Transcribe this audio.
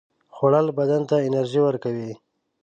خوړل بدن ته انرژي ورکوي